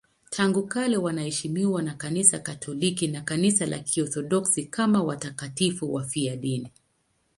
Tangu kale wanaheshimiwa na Kanisa Katoliki na Kanisa la Kiorthodoksi kama watakatifu wafiadini.